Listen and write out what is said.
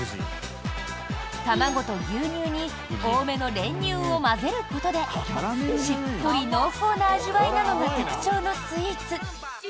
卵と牛乳に多めの練乳を混ぜることでしっとり濃厚な味わいなのが特徴のスイーツ。